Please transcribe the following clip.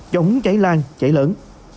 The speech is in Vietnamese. chống cháy lan cháy lẫn